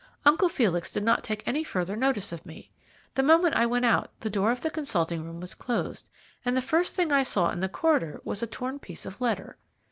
Uncle Felix did not take any further notice of me. The moment I went out the door of the consulting room was closed, and the first thing I saw in the corridor was a torn piece of letter.